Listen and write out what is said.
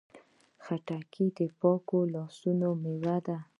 خټکی د پاکو لاسونو میوه ده.